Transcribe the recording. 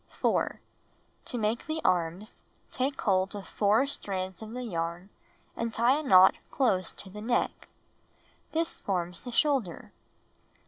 4. To make the arms, take hold of 4 strands of the yarn and tie a knot close to the neck. This forms the shoulder.